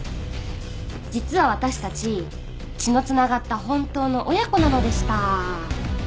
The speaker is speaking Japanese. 実は私たち血のつながった本当の親子なのでした。